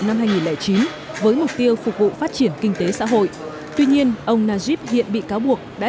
năm hai nghìn chín với mục tiêu phục vụ phát triển kinh tế xã hội tuy nhiên ông najib hiện bị cáo buộc đã